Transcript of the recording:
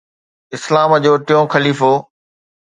اسلام جو ٽيون خليفو